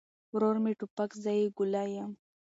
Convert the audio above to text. ورور مې توپک، زه يې ګولۍ يم